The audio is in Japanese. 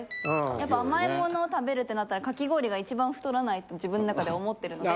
やっぱ甘いもの食べるってなったらかき氷が一番太らないって自分の中で思ってるので。